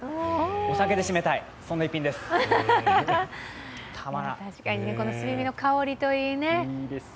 お酒で締めたい、そんな一品です。